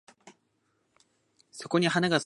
そこに花が咲いてる